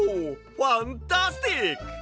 ファンタスティック！